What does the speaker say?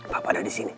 papa ada di sini